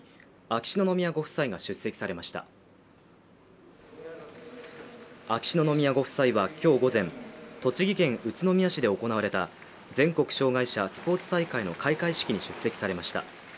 秋篠宮ご夫妻は今日午前、栃木県宇都宮市で行われた全国障害者スポーツ大会の開会式に出席されました。